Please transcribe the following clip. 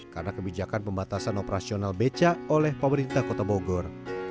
karena kebijakan pembatasan operasional beca oleh pemerintah kota bogor